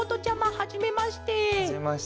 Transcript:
はじめまして。